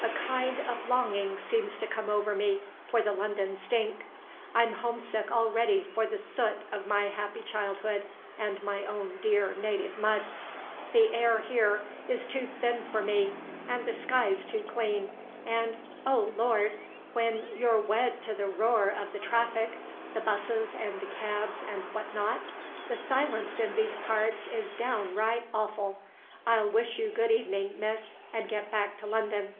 A kind of longing seems to come over me for the London stink. I'm home sick already for the soot of my happy childhood and my own dear native mud. The air here is too thin for me, and the sky's too clean; and oh, Lord! when you're wed to the roar of the traffic the 'busses and the cabs and what not the silence in these parts is downright awful. I'll wish you good evening, miss; and get back to London."